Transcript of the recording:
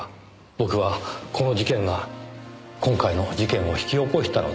僕はこの事件が今回の事件を引き起こしたのではないか。